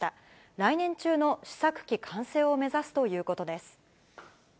来年中の試作機完成を目指すということです。